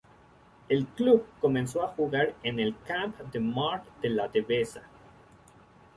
El club comenzó a jugar en el Camp de Mart de la Devesa.